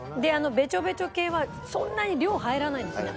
ベチョベチョ系はそんなに量入らないんですよね。